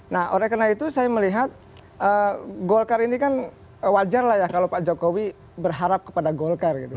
nah oleh karena itu saya melihat golkar ini kan wajar lah ya kalau pak jokowi berharap kepada golkar gitu